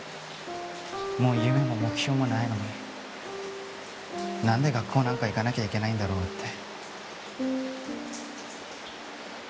もう夢も目標もないのに何で学校なんか行かなきゃいけないんだろうって。